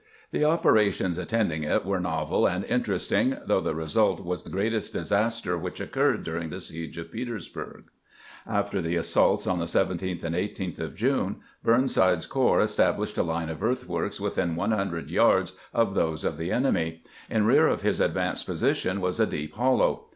The operations attending it were novel and interesting, though the result was the greatest disaster which oc curred during the siege of Petersburg. After the as saults on the 17th and 18th of JunCj Burnside's corps established a line of earthworks within one hundred yards of those of the enemy. In rear of his advanced position was a deep hollow.